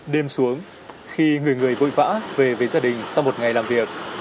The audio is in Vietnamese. đêm xuống khi người người vội vã về về gia đình sau một ngày làm việc